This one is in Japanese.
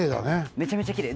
めちゃめちゃきれい。